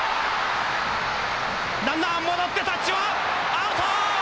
ランナー戻ってタッチはアウト！